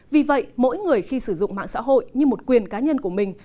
vì vậy mỗi người khi sử dụng mạng xã hội như một quyền cá nhân của mình